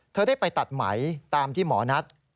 ได้ไปตัดไหมตามที่หมอนัด